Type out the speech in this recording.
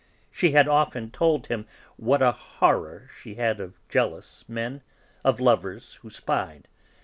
She had often told him what a horror she had of jealous men, of lovers who spied.